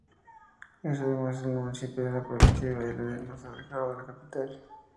Es además el municipio de la provincia de Valladolid más alejado de la capital.